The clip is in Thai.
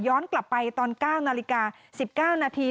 กลับไปตอน๙นาฬิกา๑๙นาที